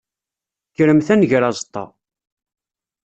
Kremt ad nger aẓeṭṭa.